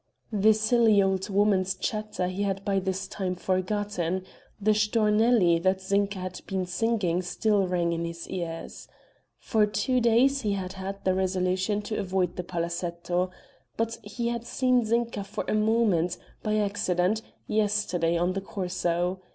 The silly old woman's chatter he had by this time forgotten; the Stornelli that Zinka had been singing still rang in his ears. For two days he had had the resolution to avoid the Palazetto, but he had seen Zinka for a moment, by accident, yesterday on the Corso.